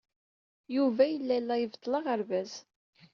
Yuba yella la ibeṭṭel aɣerbaz.